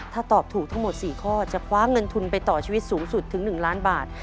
ถ้าตอบถูกทั้งหมด๔ข้อจะคว้าเงินทุนไปต่อชีวิตสูงสุดถึง๑ล้านบาท